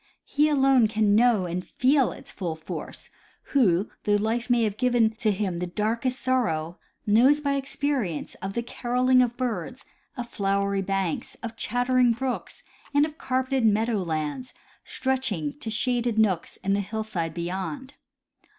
He alone can know and feel its full force who, though life may have given to him the darkest sorrow, knows by experience of the caroling of birds, of flowery banks, of chattering brooks, and of carpeted meadow lands stretch iijg to shaded nooks in the hillside beyond.